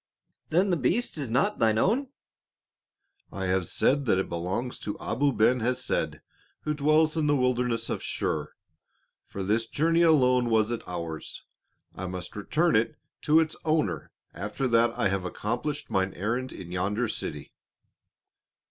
"Then the beast is not thine own?" "I have said that it belongs to Abu Ben Hesed, who dwells in the wilderness of Shur. For this journey alone was it ours. I must return it to its owner after that I have accomplished mine errand in yonder city."